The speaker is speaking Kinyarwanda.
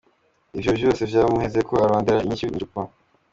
Iyo vyose vyamuhezeko, aronderera inyishu mw’icupa.